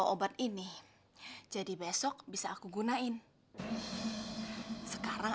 masyarakat saya sudah tawar selama setengah bulan sekarang